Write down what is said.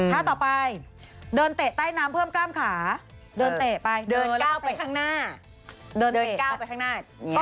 ท่าต่อไปเดินเตะใต้น้ำเพิ่มกล้ามขาเดินเตะไปเดินเก้าไปข้างหน้า